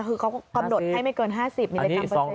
คือเขากำหนดให้ไม่เกิน๕๐มิลลิกรัมเปอร์เซ็